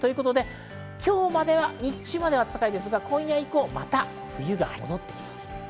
今日までは日中までは暖かいですが、今夜以降、冬が戻ってきそうです。